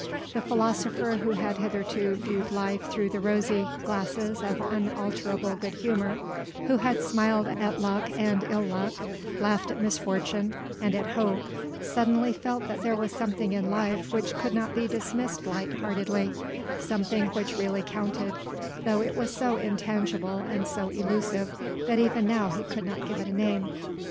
The philosopher who had hitherto viewed life through the rosy glasses of unalterable good humour, who had smiled at luck and ill luck, laughed at misfortune and at hope, suddenly felt that there was something in life which could not be dismissed light heartedly, something which really counted, though it was so intangible and so elusive that even now he could not give it a name.